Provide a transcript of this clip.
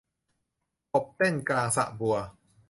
กบเต้นกลางสระบัว